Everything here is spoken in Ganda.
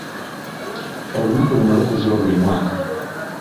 Olunaku luno lukuzibwa buli mwaka.